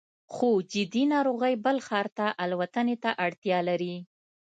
خو جدي ناروغۍ بل ښار ته الوتنې ته اړتیا لري